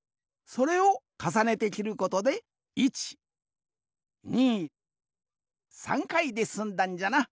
それをかさねてきることで１２３回ですんだんじゃな。